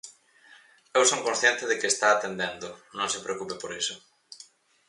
Eu son consciente de que está atendendo, non se preocupe por iso.